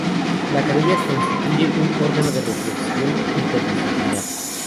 La Academia constituye un órgano de reflexión interdisciplinar.